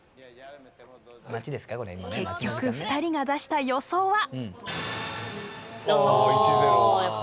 結局、２人が出した予想は。